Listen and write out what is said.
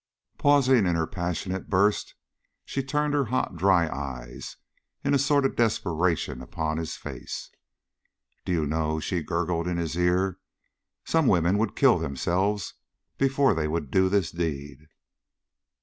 Pausing in her passionate burst, she turned her hot, dry eyes in a sort of desperation upon his face. "Do you know," she gurgled in his ear, "some women would kill themselves before they would do this deed."